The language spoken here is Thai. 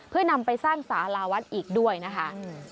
เพื่อนำไปสร้างสาราวัดอีกด้วยนะคะ